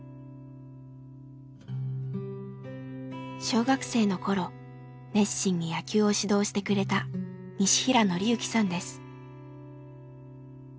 小学生の頃熱心に野球を指導してくれた西平憲行さんです。